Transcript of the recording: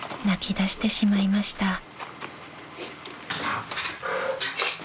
［泣きだしてしまいました］